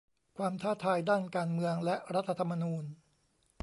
ความท้าทายด้านการเมืองและรัฐธรรมนูญ